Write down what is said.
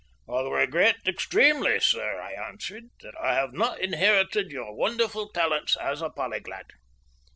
"I regret extremely, sir," I answered, "that I have not inherited your wonderful talents as a polyglot."